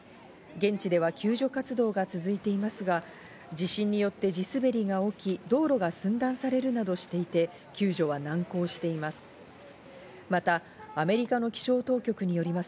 現地では救助活動が続いていますが、地震によって地滑りが起き、道路が寸断されるなどしていて、救助は難航しています。